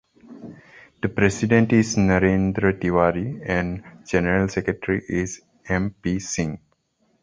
The president is Narendra Tiwari and general secretary is M. P. Singh.